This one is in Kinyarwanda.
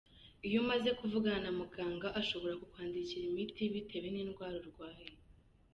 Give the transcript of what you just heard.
Iyo umaze kuvugana na muganga ashobora kukwandikira imiti bitewe n’indwara urwaye.